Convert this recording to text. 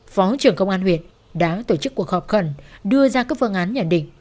phó trưởng công an huyện đã tổ chức cuộc họp khẩn đưa ra các phương án nhận định